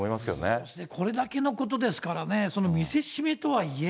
そうですね、これだけのことですからね、見せしめとはいえ、